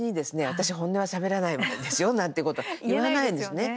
私、本音はしゃべらないですよなんてこと、言わないですね。